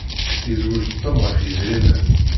Yezweǧ Tom ɣef yedrimen.